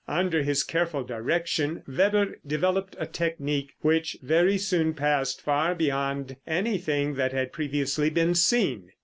Under his careful direction Weber developed a technique which very soon passed far beyond anything that had previously been seen.